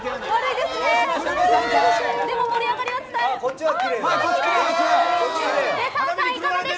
でも、盛り上がりは伝わります！